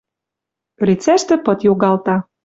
Ӧлицӓштӹ пыт йогалта